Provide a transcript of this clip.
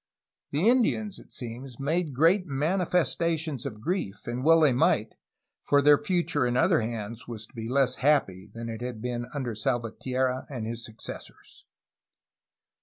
The Indians, it seems, made great manifestations of grief, — and well they might, for their future in other hands was to be less happy than it had been under Salvatierra and his successors.